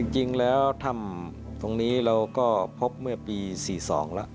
จริงแล้วถ้ำตรงนี้เราก็พบเมื่อปี๔๒แล้ว